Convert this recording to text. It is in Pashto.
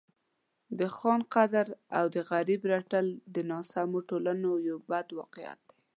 د خان قدر او د غریب رټل د ناسالمو ټولنو یو بد واقعیت دی.